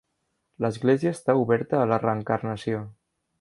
L'església està oberta a la reencarnació.